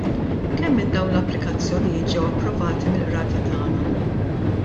Kemm minn dawn l-applikazzjonijiet ġew approvati mill-Qrati tagħna?